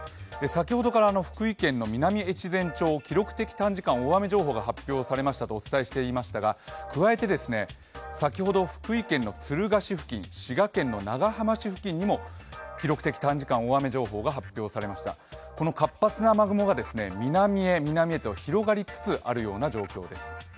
先ほどから福井県の南越前町、記録的短時間大雨情報が発表されましたと伝えましたが加えて、先ほど福井県敦賀市付近、滋賀県長浜市付近にも記録的短時間大雨情報が発表されました活発な雨雲が南へ、南へと広がりつつあるような状況です。